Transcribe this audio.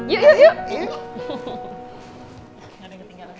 yuk yuk yuk